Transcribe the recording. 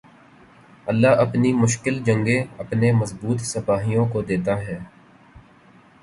اللہ اپنی مشکل جنگیں اپنے مضبوط سپاہیوں کو دیتا ہے